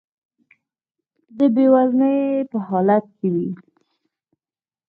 د بې وزنۍ په حالت کې وي.